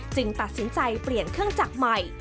ตัดสินใจเปลี่ยนเครื่องจักรใหม่